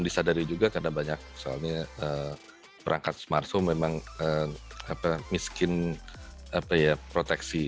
disadari juga karena banyak soalnya perangkat smart home memang apa miskin apa ya proteksi